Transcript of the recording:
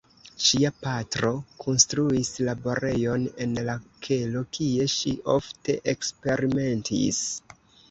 Ŝia patro konstruis laborejon en la kelo kie ŝi ofte eksperimentis.